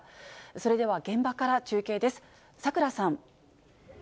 それでは現場から中継です。